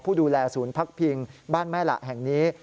ผู้ดูแลศูนย์พักพิงบ้านแม่หละแห่งนี้